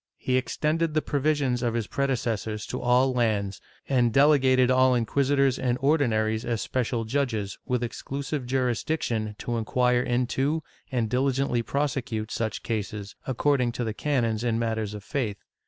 He extended the provisions of his prede cessors to all lands, and delegated all inc{uisitors and Ordinaries as special judges, with exclusive jurisdiction to inquire into and diligently prosecute such cases, according to the canons in matters of faith.